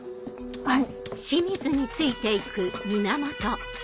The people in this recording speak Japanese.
はい。